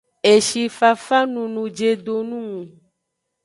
Eshi fafa nunu jedo nung.